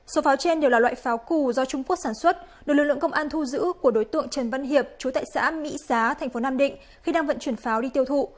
số pháo trên đều là loại pháo cù do trung quốc sản xuất được lực lượng công an thu giữ của đối tượng trần văn hiệp chú tại xã mỹ xá thành phố nam định khi đang vận chuyển pháo đi tiêu thụ